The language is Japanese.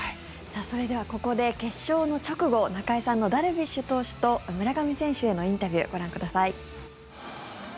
それでは、ここで決勝の直後中居さんのダルビッシュ投手と村上選手へのインタビューご覧ください。